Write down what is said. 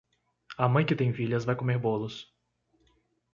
A mãe que tem filhas vai comer bolos.